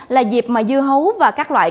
là dịp mà dư hấu và các loại